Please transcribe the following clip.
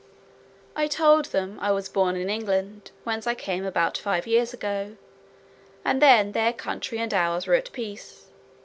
I told them "I was born in England, whence I came about five years ago, and then their country and ours were at peace.